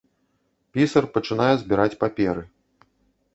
Пісар пачынае збіраць паперы.